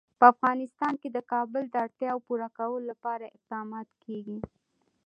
په افغانستان کې د کابل د اړتیاوو پوره کولو لپاره اقدامات کېږي.